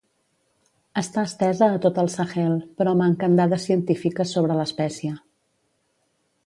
Està estesa a tot el Sahel però manquen dades científiques sobre l'espècie.